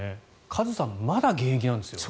カズさん、まだ現役なんです。